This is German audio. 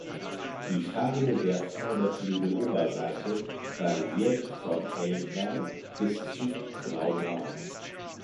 Die Farbe der Vorderflügeloberseite variiert von hellgrau bis zu graubraun.